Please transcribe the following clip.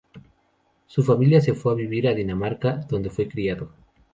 Su familia se fue a vivir a Dinamarca, donde fue criado.